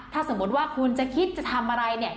ถ้าสมมุติว่าคุณจะคิดจะทำอะไรเนี่ย